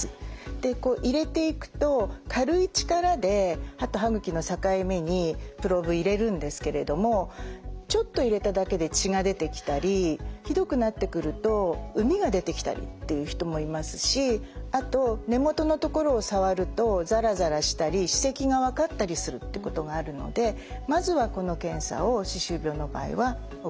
で入れていくと軽い力で歯と歯ぐきの境目にプローブ入れるんですけれどもちょっと入れただけで血が出てきたりひどくなってくると膿が出てきたりっていう人もいますしあと根元のところを触るとザラザラしたり歯石が分かったりするってことがあるのでまずはこの検査を歯周病の場合は行います。